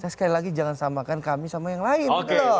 sekali lagi jangan samakan kami sama yang lain